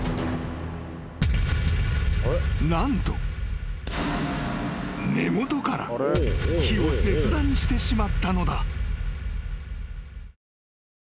［何と根元から木を切断してしまったのだ］